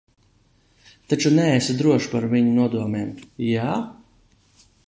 Taču neesi drošs par viņu nodomiem, jā?